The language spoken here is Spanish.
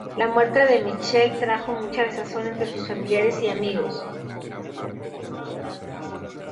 La muerte de Michele trajo mucha desazón entre sus familiares y amigos.